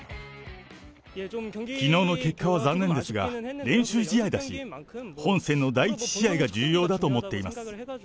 きのうの結果は残念ですが、練習試合だし、本戦の第１試合が重要だと思っています。